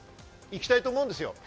行きたいと思うんですよ。